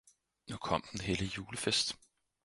Nu kom den hellige Julefest.